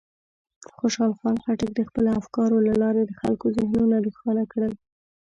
خوشحال خان خټک د خپلو افکارو له لارې د خلکو ذهنونه روښانه کړل.